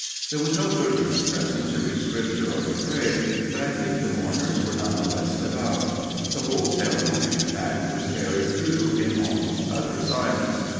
There was no clergyman present to read Scripture or to pray, but I think the mourners were none the less devout. The whole ceremony, in fact, was carried through in almost utter silence.